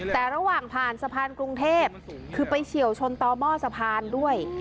แต่ระหว่างผ่านสะพานกรุงเทพคือไปเฉียวชนต่อหม้อสะพานด้วย